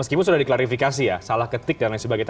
meskipun sudah diklarifikasi ya salah ketik dan lain sebagainya